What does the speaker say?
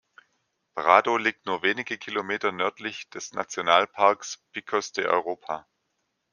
Prado liegt nur wenige Kilometer nördlich des Nationalparks Picos de Europa.